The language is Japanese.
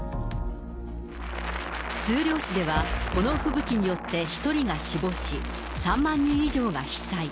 通遼市では、この吹雪によって１人が死亡し、３万人以上が被災。